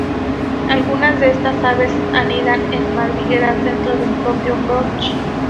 Algunas de estas aves anidan en madrigueras dentro del propio "broch".